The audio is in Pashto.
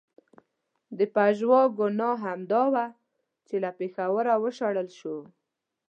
د پژواک ګناه همدا وه چې له پېښوره و شړل شو.